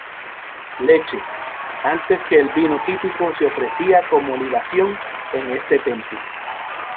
Leche, antes que el vino típico, se ofrecía como libación en este templo.